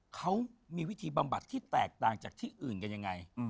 เขามีวิธีบำบัดที่แตกต่างจากที่อื่นกันยังไง